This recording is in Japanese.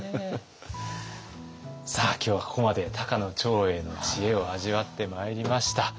さあ今日はここまで高野長英の知恵を味わってまいりました。